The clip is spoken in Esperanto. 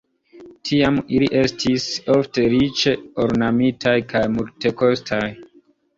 Tiam ili estis ofte riĉe ornamitaj kaj multekostaj.